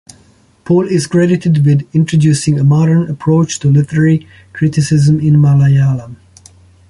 Paul is credited with introducing a modern approach to literary criticism in Malayalam.